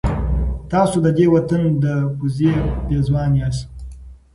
تاسو د دې وطن د پوزې پېزوان یاست.